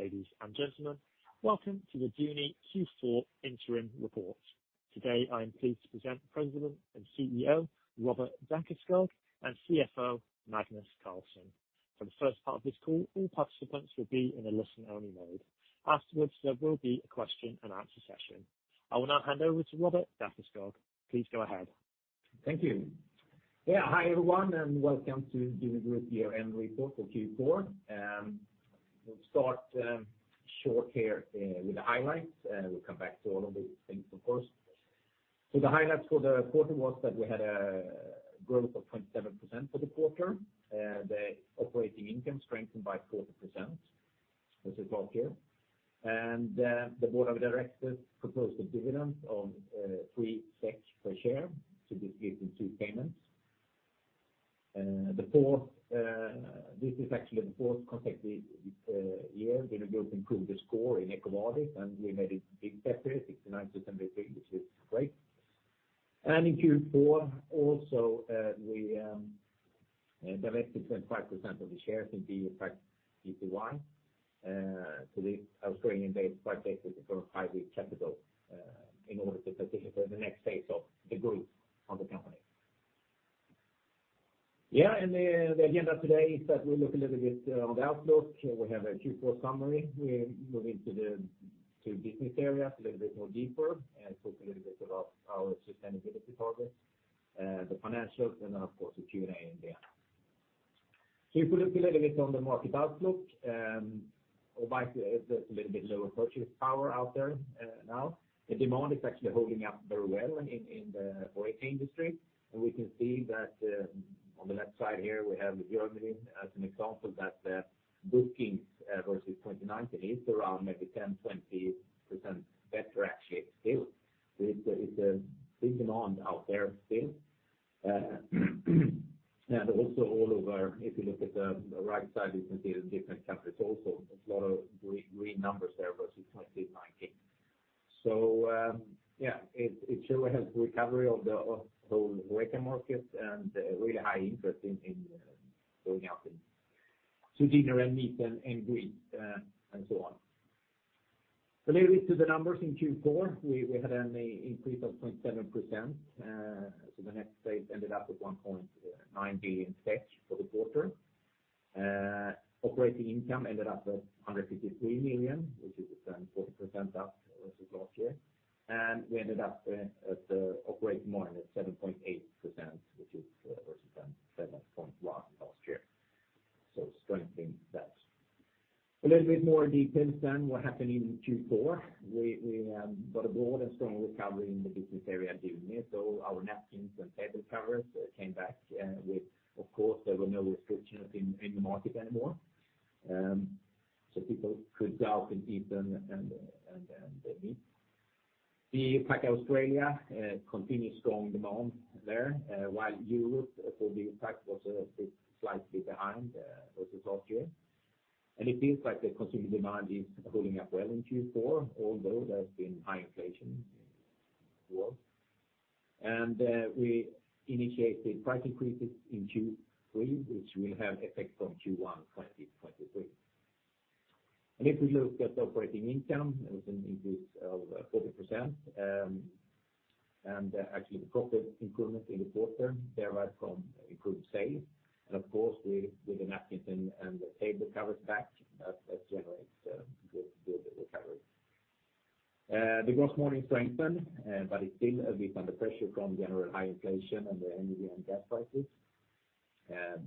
Ladies and gentlemen, welcome to the Duni Q4 interim report. Today, I am pleased to present President and CEO, Robert Dackeskog and CFO, Magnus Carlsson. For the first part of this call, all participants will be in a listen-only mode. Afterwards, there will be a question and answer session. I will now hand over to Robert Dackeskog. Please go ahead. Thank you. Yeah. Hi, everyone, and welcome to Duni Group year-end report for Q4. We'll start short here with the highlights, we'll come back to all of these things, of course. The highlights for the quarter was that we had a growth of 0.7% for the quarter. The operating income strengthened by 40% versus last year. The board of directors proposed a dividend of 3 per share to be paid in two payments. The fourth, this is actually the fourth consecutive year that we will improve the score in EcoVadis, and we made it even better, 69 to 73, which is great. In Q4 also, we divested 25% of the shares in the BioPak Pty Ltd to the Australian-based private equity firm, Five V Capital, in order to participate in the next phase of the group of the company. The agenda today is that we look a little bit on the outlook. We have a Q4 summary. We move into the business area a little bit more deeper and talk a little bit about our sustainability targets, the financials and then of course the Q&A in the end. If you look a little bit on the market outlook, despite there's a little bit lower purchase power out there, now. The demand is actually holding up very well in the HoReCa industry. We can see that on the left side here, we have Germany as an example that bookings versus 2019 is around maybe 10%-20% better actually still. It's a decent amount out there still. Also all over, if you look at the right side, you can see the different countries also a lot of green numbers there versus 2019. It, it sure has recovery of the HoReCa market and really high interest in going out and to dinner and meet and greet and so on. A little bit to the numbers in Q4, we had an increase of 0.7%. The net sales ended up at 1.9 billion for the quarter. Operating income ended up at 153 million, which is a 10.4% up versus last year. We ended up at the operating margin at 7.8%, which is versus then 7.1% last year. Strengthening that. A little bit more details then what happened in Q4. We got a broad and strong recovery in the business area Duni. Our napkins and table covers came back with of course, there were no restrictions in the market anymore. So people could go out and eat and meet. The Pack Australia continued strong demand there, while Europe for the BioPak was slightly behind versus last year. It feels like the consumer demand is holding up well in Q4, although there's been high inflation as well. We initiated price increases in Q3, which will have effect from Q1 2023. If you look at the operating income, there was an increase of 40%. Actually the profit improvement in the quarter derived from improved sales. Of course, with the napkins and the table covers back, that generates a good recovery. The gross margin strengthened, but it's still a bit under pressure from general high inflation and the energy and gas prices.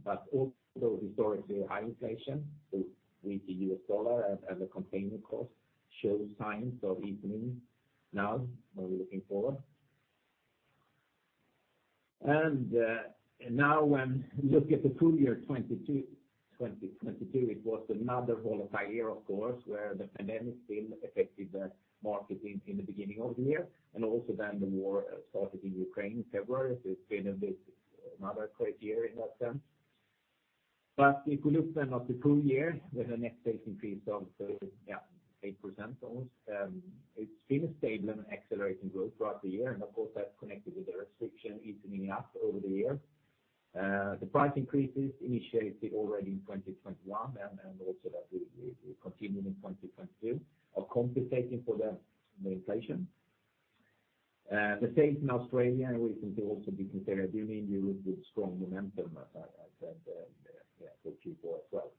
But also historically high inflation with the US dollar and the container cost show signs of evening now when we're looking forward. Now when look at the full year 2022, it was another volatile year, of course, where the pandemic still affected the market in the beginning of the year. Also then the war started in Ukraine in February. It's been a bit another crazy year in that sense. If you look then at the full year with a net sales increase of, yeah, 8% almost. It's been a stable and accelerating growth throughout the year, and of course, that's connected with the restriction easing up over the year. The price increases initiated already in 2021 and also that we continuing in 2022 are compensating for the inflation. The same in Australia, we can also be considered Duni Europe with strong momentum as I said, yeah, for Q4 as well.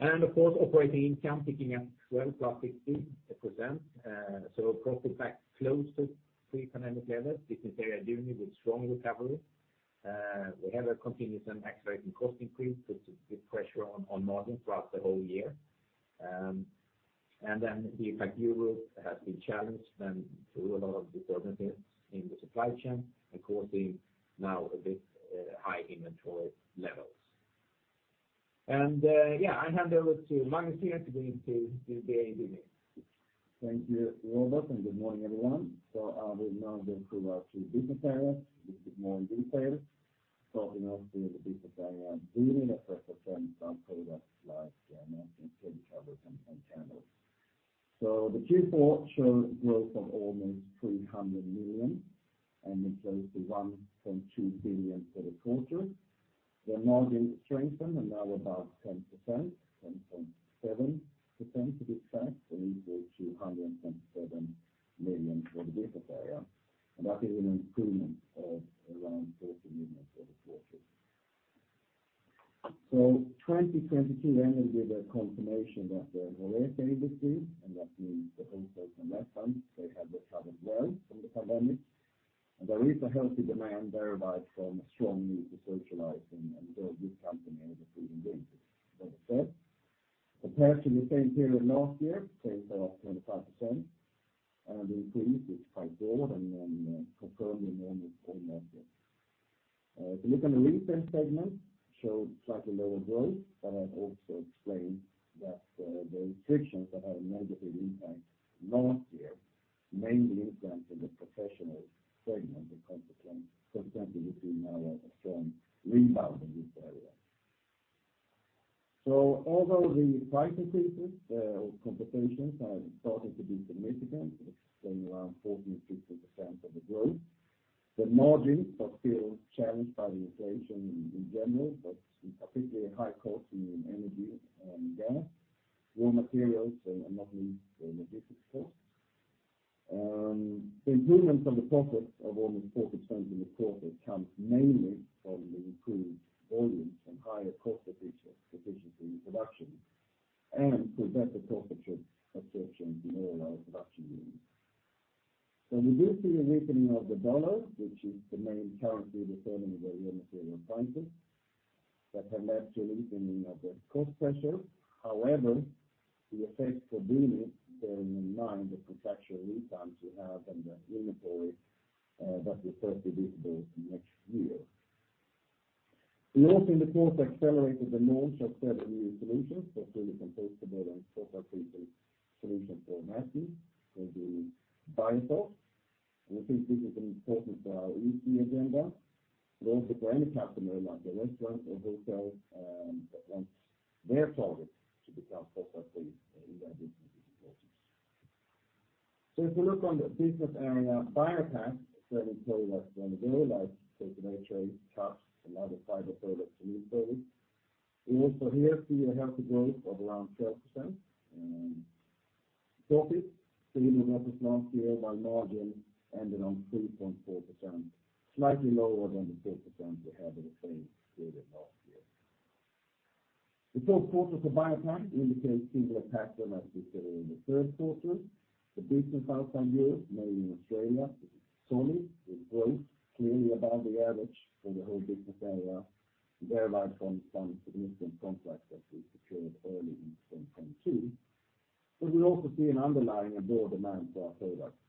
Of course, operating income picking up 12 plus 60%. Profit back close to pre-pandemic levels. Business area Duni with strong recovery. We have a continuous and accelerating cost increase, put a bit pressure on margin throughout the whole year. The effect Europe has been challenged and through a lot of disturbances in the supply chain, and causing now a bit high inventory levels. Yeah, I hand over to Magnus here to go into the EBIT. Thank you, Robert, and good morning, everyone. we now go through our two business areas with more details. Starting off with the business area Duni that represents some products like napkins, table covers and candles. The Q4 showed growth of almost 300 million, and includes 1.2 billion for the quarter. The margin strengthened and now about 10%, 10.7% to be exact, and equal to 107 million for the business area. That is an improvement of around 40 million for the quarter. 2022 ended with a confirmation that the HoReCa industry, and that means the hotels and restaurants, they have recovered well from the pandemic. There is a healthy demand thereby from a strong need to socialize and go with company as a free engagement. As I said, compared to the same period last year, sales are up 25%, and increase which is quite good and confirming the normal full market. If you look on the retail segment, showed slightly lower growth, but I've also explained that, the restrictions that had a negative impact last year, mainly impacted the professional segment, and consequently, we see now a strong rebound in this area. Although the price increases, or complications are starting to be significant, explaining around 14%-15% of the growth, the margins are still challenged by the inflation in general, but in particularly high costs in energy and gas, raw materials and not least the logistics cost. The improvements on the profits of almost 4% in the quarter comes mainly from the improved volumes and higher cost efficiency in production, and through better profit share absorption in all our production units. We do see a weakening of the dollar, which is the main currency determining the raw material prices that have led to a weakening of the cost pressure. However, the effect for Duni, bearing in mind the contractual lead times we have and the inventory, that will first be visible next year. We also in the course accelerated the launch of several new solutions, particularly compostable and fossil-free solutions for napkins and BioFoam. We think this is an important, easy agenda, but also for any customer, like a restaurant or hotel, that wants their product to become fossil-free in their businesses and processes. If you look on the business area, BioPak, serving totally like the everyday life, take-away, tray, cups, and other fiber products and food service. We also here see a healthy growth of around 12%. Profit, same level as last year, while margin ended on 3.4%, slightly lower than the 4% we had in the same period last year. The fourth quarter for BioPak indicates similar pattern as we saw in the third quarter. The business outcome here, mainly in Australia, is solid. It grows clearly above the average for the whole business area, and thereby from some significant contracts that we secured early in 2022. We also see an underlying and broad demand for our products.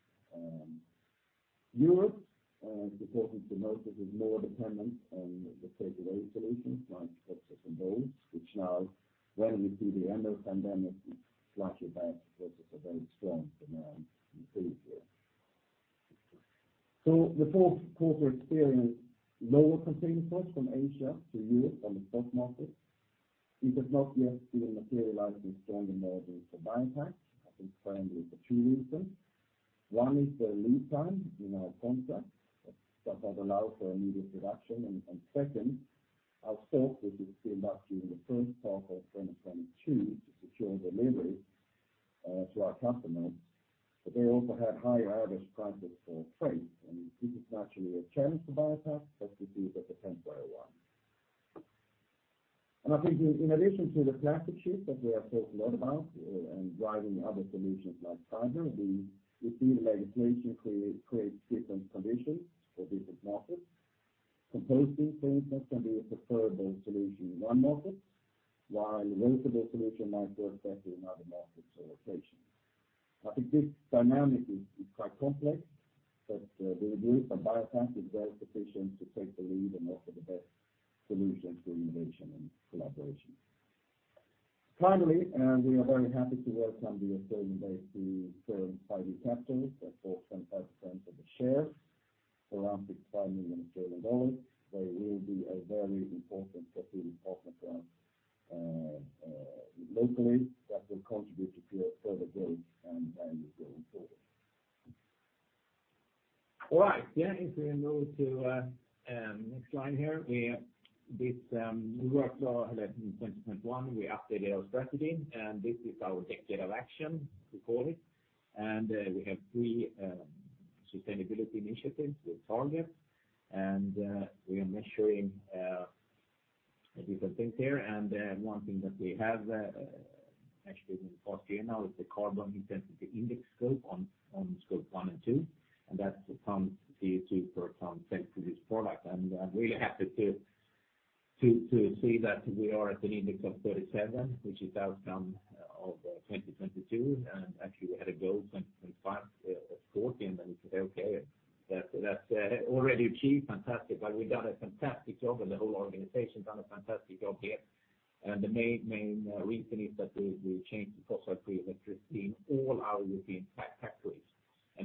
Europe, it's important to note that is more dependent on the takeaway solutions like boxes and bowls, which now when we see the end of pandemic, it's slightly back versus a very strong demand in previous years. The fourth quarter experienced lower container costs from Asia to Europe on the stock market. It has not yet been materialized in stronger margins for BioPak. I think primarily for two reasons. One is the lead time in our contracts that doesn't allow for immediate production. Second, our stock, which was filled up during the first half of 2022 to secure delivery to our customers, but they also had higher average prices for freight. This is naturally a challenge to BioPak, but we see it as a temporary one. I think in addition to the plastic shift that we have talked a lot about and driving other solutions like fiber, we see the legislation creates different conditions for different markets. Composting, for instance, can be a preferable solution in one market, while a reusable solution might work better in other markets or locations. I think this dynamic is quite complex, but the group for BioPak is well positioned to take the lead and offer the best solutions through innovation and collaboration. We are very happy to welcome the Australian-based firm, Five V Capital, that bought 25% of the shares for around AUD 65 million. They will be a very important strategic partner for us locally that will contribute to further growth and value going forward. All right. Yeah, if we move to next slide here, we have this new workflow that in 2021 we updated our strategy, and this is our Decade of Action, we call it. We have three sustainability initiatives with targets. We are measuring a different thing here. One thing that we have actually been fourth year now is the carbon intensity index on Scope 1 and 2, and that's a ton CO2 per ton sold product. I'm really happy to see that we are at an index of 37, which is outcome of 2022. Actually, we had a goal 2025 of 14, and we said, okay, that's already achieved. Fantastic. We've done a fantastic job, and the whole organization's done a fantastic job here. The main reason is that we changed to fossil-free electricity in all our European factories.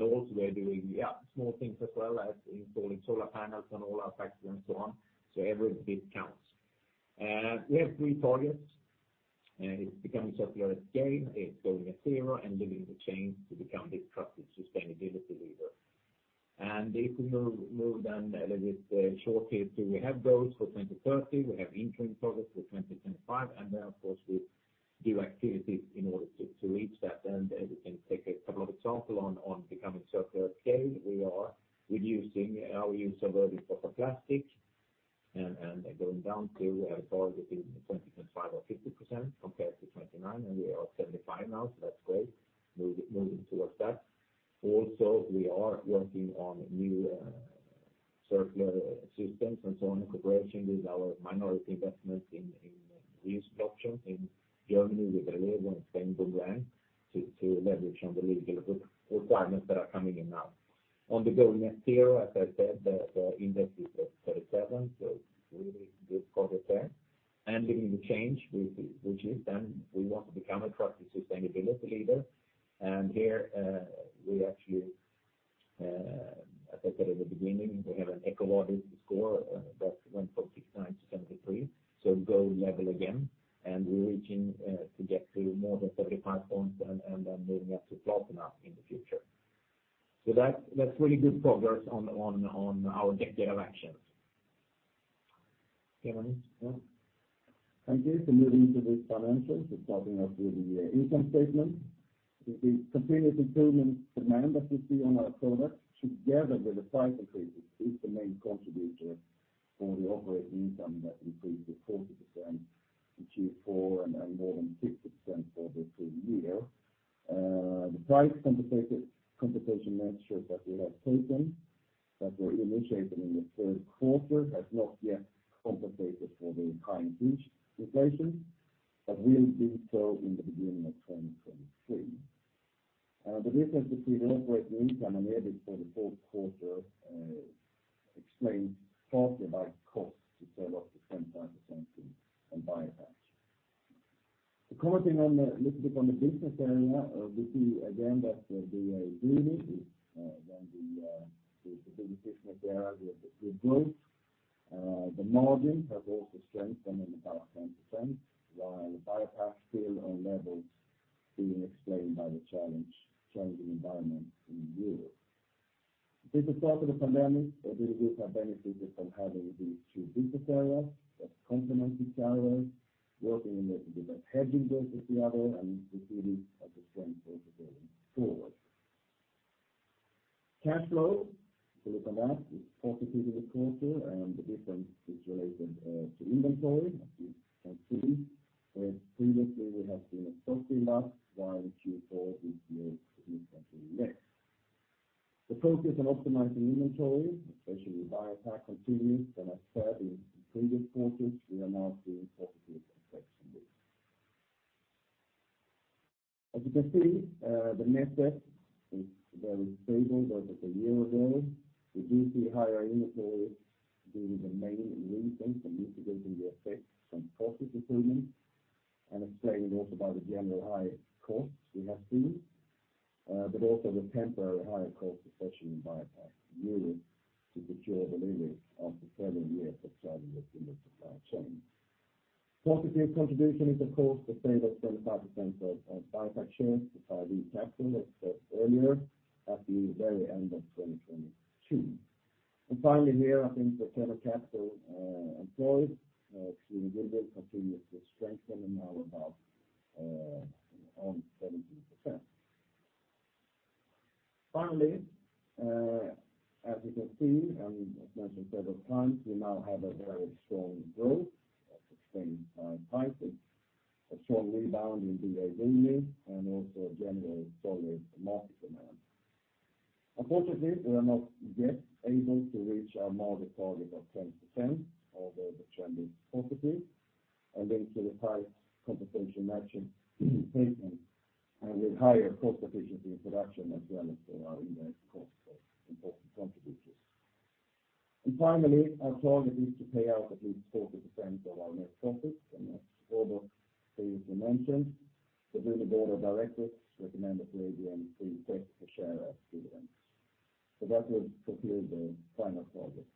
Also we're doing, yeah, small things as well as installing solar panels on all our factories and so on. Every bit counts. We have three targets, and it's becoming circular scale, it's going at zero and leading the change to become the trusted sustainability leader. If we move then a little bit short here, we have goals for 2030. We have interim targets for 2025, of course, we do activities in order to reach that end. We can take a couple of example on becoming circular scale. We are reducing our use of virgin plastic and going down to our target to more than 75 points and then moving up to platinum in the future. That's really good progress on our Decade of Action. Okay. Yeah. Here's a move into the financials. Starting off with the income statement. The continued improvement demand that we see on our products together with the price increases is the main contributor for the operating income that increased to 40% in Q4 and more than 60% for the full year. The price compensation measures that we have taken, that were initiated in the third quarter, has not yet compensated for the time reach inflation but will do so in the beginning of 2023. The difference between operating income and EBIT for the fourth quarter, explained partly by cost to sell off the 10% in BioPak. Commenting on a little bit on the business area, we see again that the green is when the business system area with good growth. The margin has also strengthened in about 10%, while BioPak still on levels being explained by the changing environment in Europe. Since the start of the pandemic, Duni Group have benefited from having these two business areas that complement each other, working as a different hedging versus the other and proceeded at the same pace going forward. Cash flow to look at that is positive in the quarter, and the difference is related to inventory as you can see, where previously we have seen a stock build up while the Q4 is the inventory mix. The focus on optimizing inventory, especially with BioPak continues, and as said in previous quarters, we are now seeing positive effects from this. As you can see, the net debt is very stable versus a year ago. We do see higher inventory being the main reason for mitigating the effects from process improvements and explained also by the general high costs we have seen, but also the temporary higher cost position in BioPak Europe to secure the delivery after several years of challenges in the supply chain. Positive contribution is of course the sale of 25% of BioPak shares to Five V Capital as said earlier at the very end of 2022. Finally here, I think the total capital employed to individual continues to strengthen and now about on 17%. Finally, as you can see, and as mentioned several times, we now have a very strong growth at the same type, a strong rebound in the area and also a general solid market demand. Unfortunately, we are not yet able to reach our market target of 10%, although the trend is positive and linked to the price compensation matching statement and with higher cost efficiency in production as well as our inventory costs are important contributors. Finally, our target is to pay out at least 40% of our net profit, and as Robert Dackeskog previously mentioned, the board of directors recommend a [inaudible] per share as dividends. That will conclude the final project.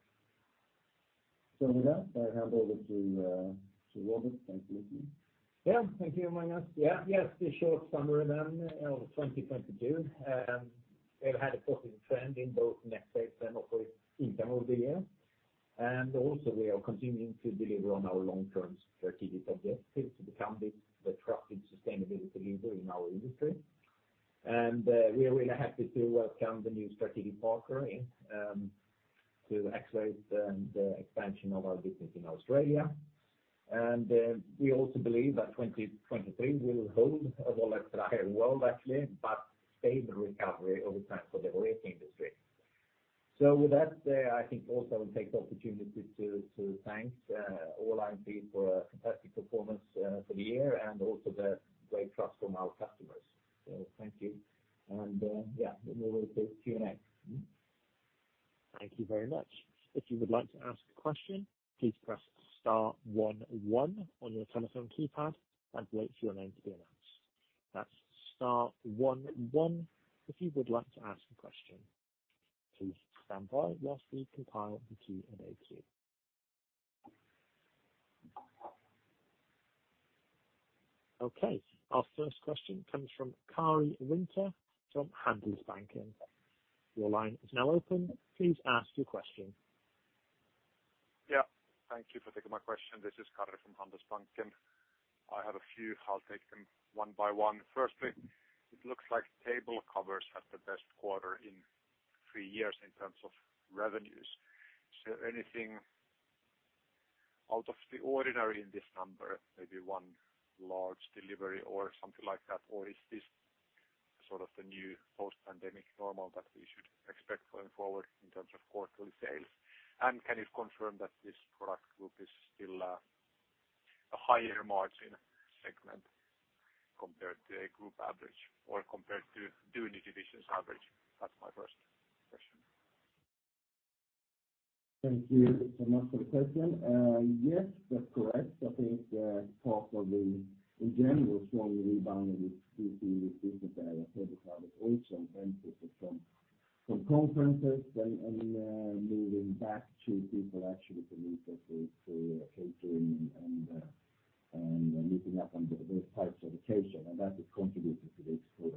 With that, I hand over to Robert. Thanks for listening. Thank you, Magnus. The short summary of 2022. We've had a positive trend in both net sales and operating income over the year. We are continuing to deliver on our long-term strategic objectives to become the trusted sustainability leader in our industry. We are really happy to welcome the new strategic partner in to accelerate the expansion of our business in Australia. We also believe that 2023 will hold a more higher world actually but favor recovery over time for the waste industry. With that, I think also take the opportunity to thank all IMP for a fantastic performance for the year and also the great trust from our customers. Thank you. We'll move it to Q&A. Thank you very much. If you would like to ask a question, please press star one one on your telephone keypad and wait for your name to be announced. That's star one one if you would like to ask a question. Please stand by whilst we compile the Q&A queue. Okay. Our first question comes from Karri Rinta from Handelsbanken. Your line is now open. Please ask your question. Thank you for taking my question. This is Karri from Handelsbanken. I have a few. I'll take them one by one. Firstly, it looks like table covers had the best quarter in three years in terms of revenues. Is there anything out of the ordinary in this number? Maybe one large delivery or something like that? Or is this sort of the new post-pandemic normal that we should expect going forward in terms of quarterly sales? Can you confirm that this product group is still a higher margin segment compared to a group average or compared to Duni divisions average? That's my first question. Thank you so much for the question. Yes, that's correct. I think part of the general strong rebound in this business area, paper products, also benefits from conferences and moving back to people actually coming to catering and meeting up under those types of occasion. That is contributing to this good.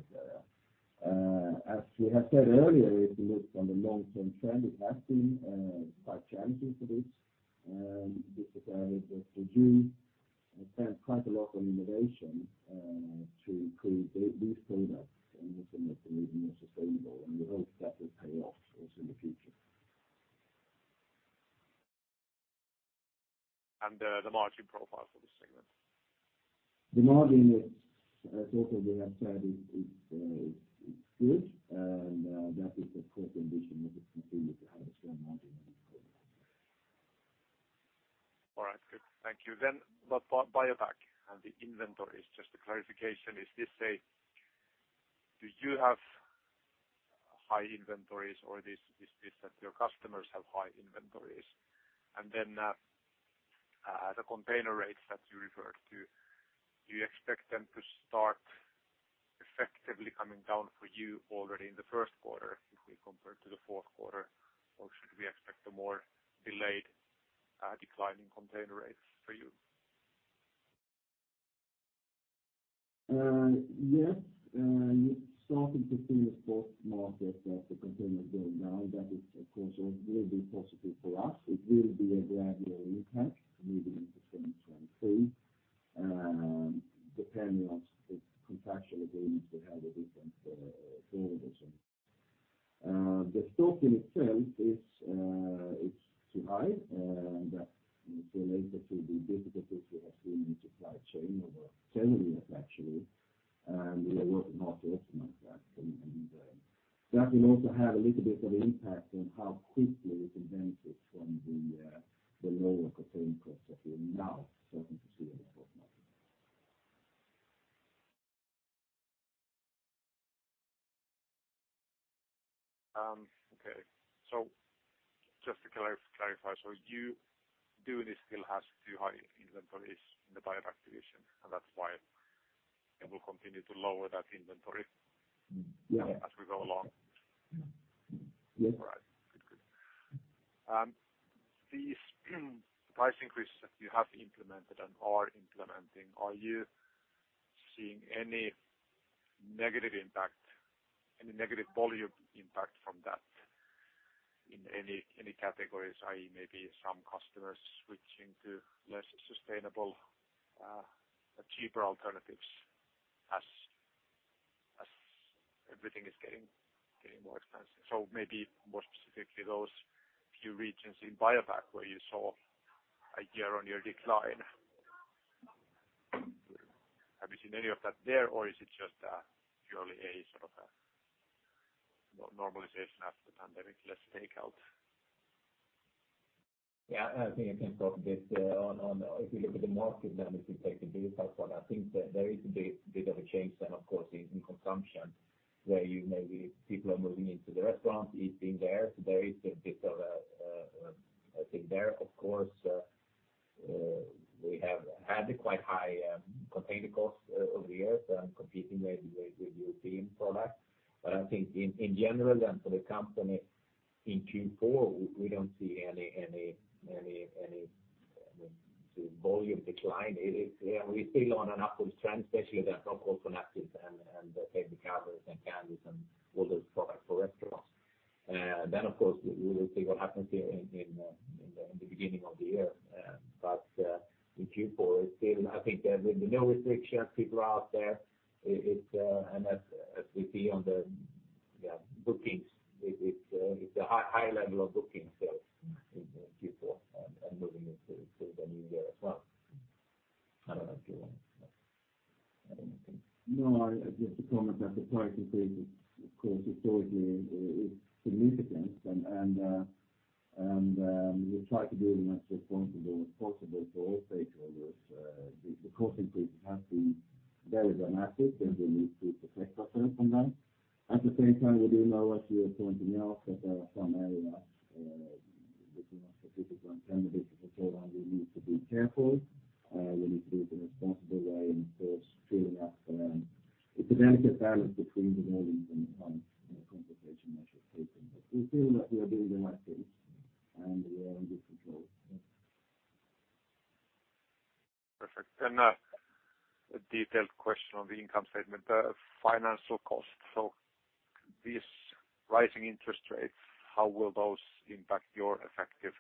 As we have said earlier, if you look on the long-term trend, it has been quite challenging for this area. We do spend quite a lot on innovation to improve these products and also make them even more sustainable. We hope that will pay off also in the future. The margin profile for this segment. The margin is also we have said is good, that is, of course, ambition. We could continue to have a strong margin going forward. All right, good. Thank you. BioPak and the inventories. Just a clarification. Is this, do you have high inventories, or is this that your customers have high inventories? As a container rates that you referred to, do you expect them to start effectively coming down for you already in the first quarter if we compare to the fourth quarter? Should we expect a more delayed decline in container rates for you? Yes, starting to see the spot market of the containers going down. That is, of course, will be positive for us. It will be a gradual impact moving into so you doing this still has too high inventories in the BioPak division, and that's why it will continue to lower that inventory-? Yeah. As we go along. Yeah. All right. Good. Good. These price increase that you have implemented and are implementing, are you seeing any negative impact, any negative volume impact from that in any categories, i.e., maybe some customers switching to less sustainable, cheaper alternatives as everything is getting more expensive? Maybe more specifically, those few regions in BioPak where you saw a year-on-year decline, have you seen any of that there, or is it just purely a sort of a normalization after the pandemic? Yeah, I think I can talk a bit on if you look at the market, if you take the business part, I think there is a bit of a change, of course, in consumption, where maybe people are moving into the restaurant, eating there. There is a bit of a thing there. Of course, we have had a quite high container cost over the years and competing with European products. I think in general, and for the company in Q4, we don't see any volume decline. We're still on an upward trend, especially the pulp woven actives and the baby candles and candies and all those products for restaurants. Of course, we will see what happens in the beginning of the year. But in Q4 it's still— I think there's been no restrictions. People are out there. It's and as we see on the bookings, it's a high, high level of bookings there in Q4 and moving into the new year as well. I don't know if you want to add anything. No, I just to comment that the price increase is of course, historically is significant and we try to do it in as responsible as possible for all stakeholders. The cost increase has been very dramatic, and we need to protect ourselves from that. At the same time, we do know, as you were pointing out, that there are some [inaudible] we need to be careful, when we do it in a responsible way and of course, true enough. It's a delicate balance between the volumes and the cost and the compensation measures taken. We feel that we are doing the right things and we are in good control, yeah. Perfect. A detailed question on the income statement, the financial cost. These rising interest rates, how will those impact your effective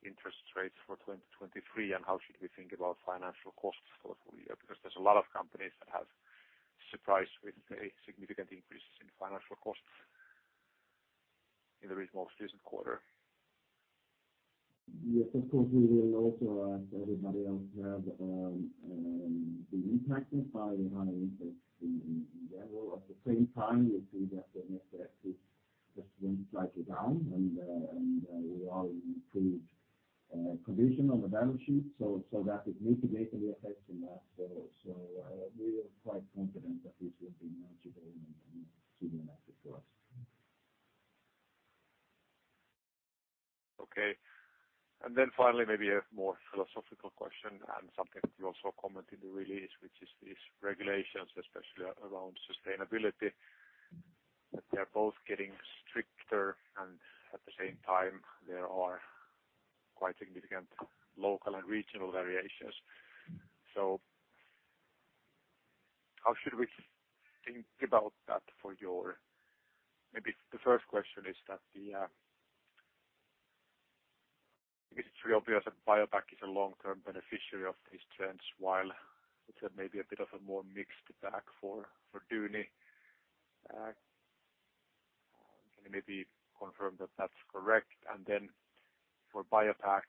interest rates for 2023? How should we think about financial costs for the full year? There's a lot of companies that have surprised with very significant increases in financial costs in the most recent quarter. Yes, of course, we will also, as everybody else, have been impacted by the higher interest in general. We see that the net effect has been slightly down and we are in improved condition on the balance sheet, so that is mitigating the effects in that. We are quite confident that this will be manageable and significant for us. Okay. Finally, maybe a more philosophical question and something that you also comment in the release, which is these regulations, especially around sustainability, that they're both getting stricter and at the same time there are quite significant local and regional variations. How should we think about that for your... Maybe the first question is that the, it's very obvious that BioPak is a long-term beneficiary of these trends, while it may be a bit of a more mixed bag for Duni. Can you maybe confirm that that's correct? For BioPak,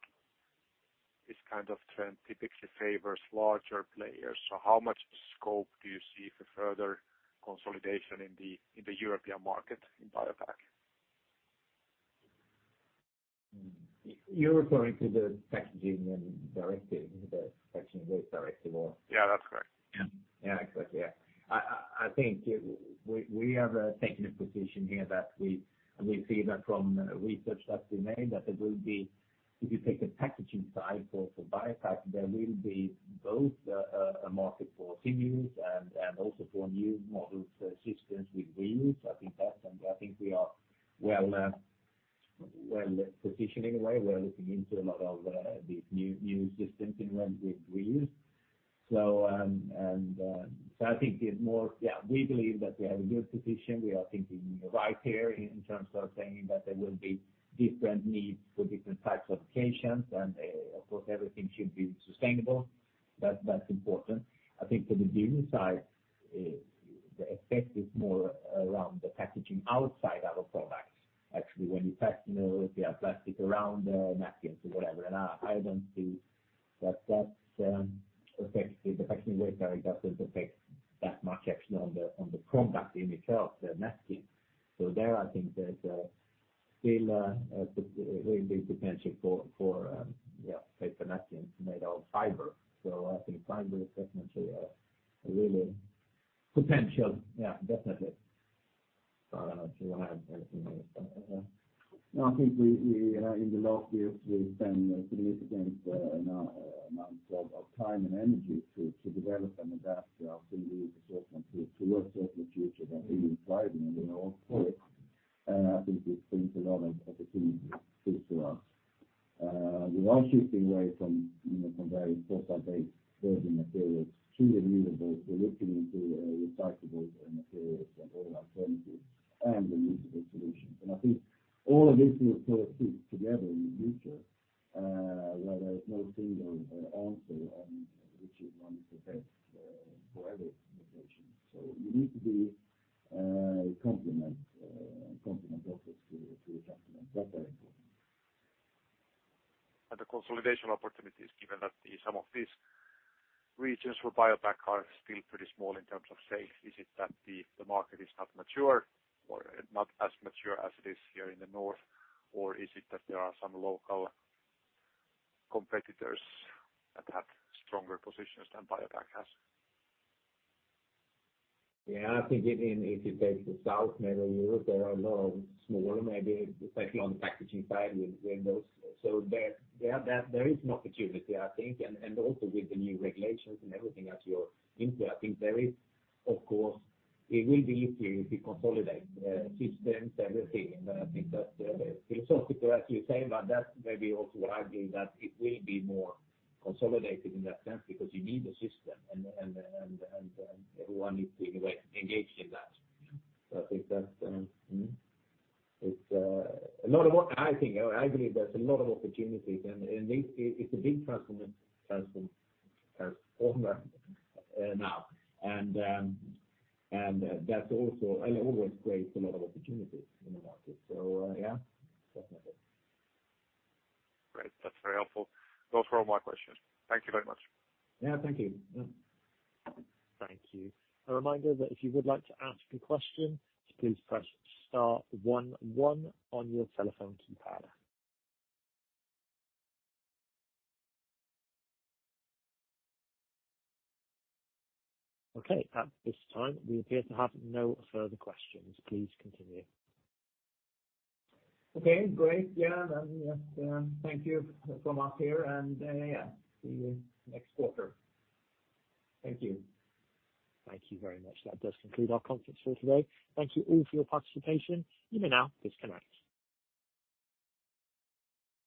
this kind of trend typically favors larger players. How much scope do you see for further consolidation in the European market in BioPak? You're referring to the Packaging Directive, the Packaging Waste Directive? Yeah, that's correct. Yeah. Yeah, correct, yeah. I think we have taken a position here that we, and we see that from research that we made, that there will be. If you take the packaging side for BioPak, there will be both a market for single-use and also for new model systems with reuse. I think that's something. I think we are well positioned in a way. We are looking into a lot of these new systems in one with reuse. We believe that we have a good position. We are thinking right here in terms of saying that there will be different needs for different types of patients. Of course, everything should be sustainable. That's important. I think for the Duni side, the effect is more around the packaging outside our products. Actually, when you pack, you know, if you have plastic around the napkins or whatever. I don't see that that affect the Packaging Waste Directive doesn't affect that much actually on the product itself, the napkin. There, I think there's still a really big potential for yeah, paper napkins made out of fiber. I think fiber is definitely a really potential. Yeah, definitely. Do you want to add anything there? No, I think we, in the last years, we've spent significant amount of time and energy to develop and adapt our single-use assortment to, towards a circular future that is driving and we are all for it. I think it brings a lot of opportunity fit to us. We are shifting away from, you know, very fossil-based virgin materials to reusable. We're looking into recyclable materials and other alternatives and reusable solutions. I think all of this will sort of fit together in the future, where there is no single answer on which one is the best for every occasion. We need to be complement offers to the customers. That's very important. The consolidation opportunities, given that some of these regions for BioPak are still pretty small in terms of sales, is it that the market is not mature or not as mature as it is here in the North? Or is it that there are some local competitors that have stronger positions than BioPak has? Yeah, I think in, if you take the South, maybe Europe, there are a lot of smaller, maybe especially on the packaging side with those. There, yeah, there is an opportunity, I think. Also with the new regulations and everything that you're into, I think there is. Of course, it will be easy if we consolidate systems, everything. I think that's philosophical, as you say, but that's maybe also arguing that it will be more consolidated in that sense because you need the system and everyone needs to engage in that. I think that's a lot of work. I think, I believe there's a lot of opportunities and it's a big transformation now. That also always creates a lot of opportunities in the market. Yeah, definitely. Great. That's very helpful. Those were all my questions. Thank you very much. Yeah, thank you. Yeah. Thank you. A reminder that if you would like to ask a question, please press star one one on your telephone keypad. Okay. At this time, we appear to have no further questions. Please continue. Okay, great. Yeah. Yeah. Thank you from up here. Yeah, see you next quarter. Thank you. Thank you very much. That does conclude our conference for today. Thank you all for your participation. You may now disconnect.